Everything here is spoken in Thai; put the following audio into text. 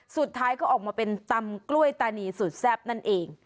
สุดท้ายก็ออกมาเป็นตำกล้วยตานีสุดแซ่บนั่นเอง